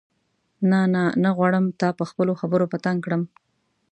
نه نه نه غواړم تا په خپلو خبرو په تنګ کړم.